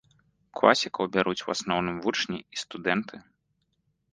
Класікаў бяруць у асноўным вучні і студэнты.